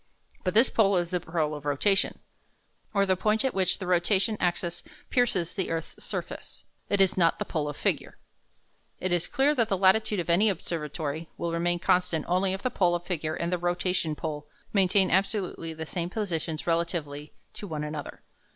But this pole is the pole of rotation, or the point at which the rotation axis pierces the earth's surface. It is not the pole of figure. It is clear that the latitude of any observatory will remain constant only if the pole of figure and the rotation pole maintain absolutely the same positions relatively one to the other.